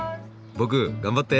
僕頑張って！